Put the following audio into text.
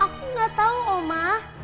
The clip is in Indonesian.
aku gak tau oma